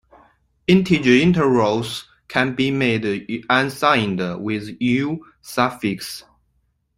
Integer literals can be made unsigned with U suffix.